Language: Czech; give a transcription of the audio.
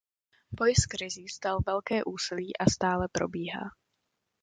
Boj s krizí stál velké úsilí a stále probíhá.